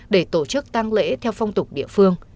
để tổ chức tăng lễ theo phong tục địa phương